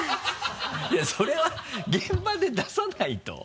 いやそれは現場で出さないと。